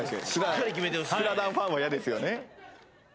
確かに『スラダン』ファンは嫌ですよね。